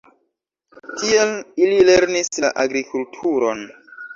Tiel, ili lernis la agrikulturon.